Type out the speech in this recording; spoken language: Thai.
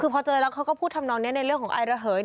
คือพอเจอแล้วเขาก็พูดทำนองนี้ในเรื่องของอายระเหย